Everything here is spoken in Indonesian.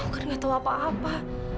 aku kan gak tau apa apa